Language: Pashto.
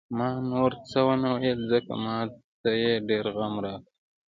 ما نور څه ونه ویل، ځکه ما ته یې ډېر غم راکړ.